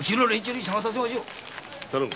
頼む。